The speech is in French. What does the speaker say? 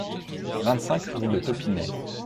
vingt-cinq rue de Taupinet